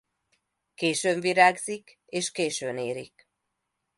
Későn virágzik és későn érik.